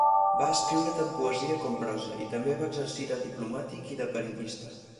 Va escriure tant poesia com prosa i també va exercir de diplomàtic i de periodista.